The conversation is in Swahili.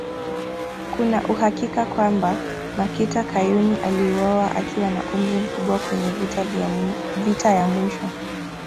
Kuna uhakika kwamba Makita Kayuni aliuawa akiwa na umri mkubwa kwenye vita ya mwisho